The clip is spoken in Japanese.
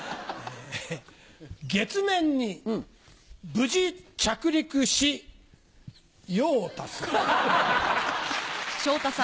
月面に無事着陸し用を足す。